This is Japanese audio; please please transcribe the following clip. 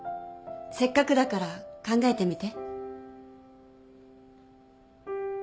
せっかくだから考えてみて。